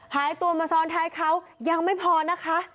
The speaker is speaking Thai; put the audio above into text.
หายตัวมาซ้อนท้ายเขายังไม่พอนะคะ